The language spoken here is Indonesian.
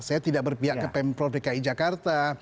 saya tidak berpihak ke pempro vki jakarta